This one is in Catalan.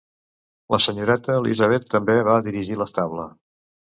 La senyoreta Elizabeth també va dirigir l'estable.